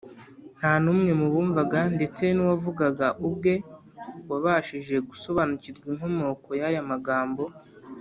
Nta numwe mu bumvaga, ndetse n’uwavugaga ubwe, wabashije gusobanukirwa n’inkomoko y’aya magambo,